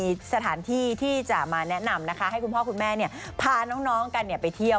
มีสถานที่ที่จะมาแนะนำนะคะให้คุณพ่อคุณแม่พาน้องกันไปเที่ยว